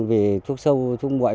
vì thuốc sâu thuốc mội